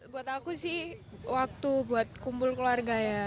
buat aku sih waktu buat kumpul keluarga ya